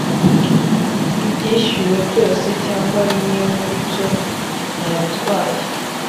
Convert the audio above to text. ibyishyuwe byose cyangwa bimwe muri byo nabitwaye